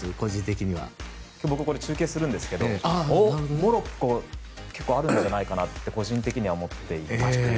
僕、これを中継するんですがモロッコあるんじゃないかなと個人的には思っていて。